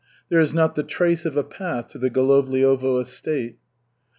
There is not the trace of a path to the Golovliovo estate.